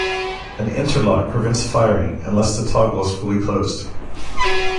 An interlock prevents firing unless the toggle is fully closed.